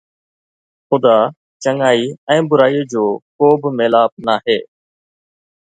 خدا، چڱائي ۽ برائي جو ڪو به ميلاپ ناهي.